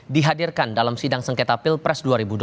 dihadirkan dalam sidang sengketa pilpres dua ribu dua puluh